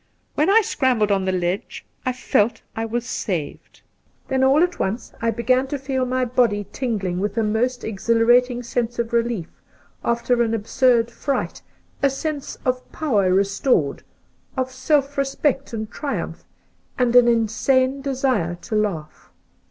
When I scrambled on the ledge I felt I was saved! Then all at once I began to feel my body tingling with a most exhilarating sense of relief after an absurd fright, a sense of power restored, of self respect and triumph and an insane desire to laugh.